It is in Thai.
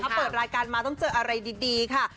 ถ้าเปิดรายการมาต้องเจออะไรดีค่ะ